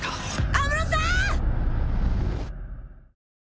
安室さん！